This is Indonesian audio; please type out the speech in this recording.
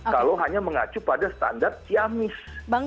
kalau hanya mengacu pada standar ciamis